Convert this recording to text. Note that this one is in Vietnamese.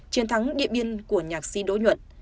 chiến thắng điện biên của nhạc sĩ đỗ nhuận